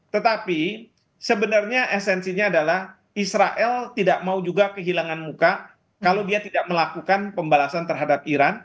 tetapi sebenarnya esensinya adalah israel tidak mau juga kehilangan muka kalau dia tidak melakukan pembalasan terhadap iran